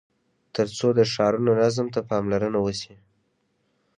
تر څو د ښارونو نظم ته پاملرنه وسي.